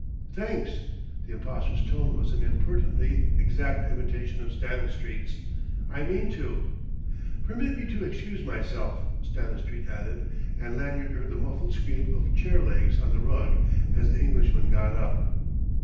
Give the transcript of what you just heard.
"Thanks" the impostor's tone was an impertinently exact imitation of Stanistreet's "I mean to." "Permit me to excuse myself," Stanistreet added; and Lanyard heard the muffled scrape of chair legs on the rug as the Englishman got up.